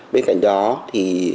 bên cạnh đó thì